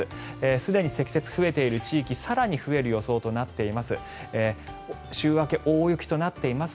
すでに積雪、増えている地域更に増える予想となっています。